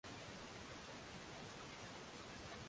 ulisababisha uchafuzi mkubwa wa hewa mijini